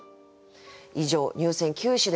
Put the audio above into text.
以上入選九首でした。